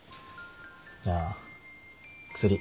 じゃあ薬